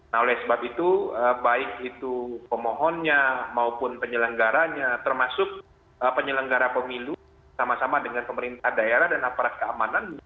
nah oleh sebab itu baik itu pemohonnya maupun penyelenggaranya termasuk penyelenggara pemilu sama sama dengan pemerintah daerah dan aparat keamanan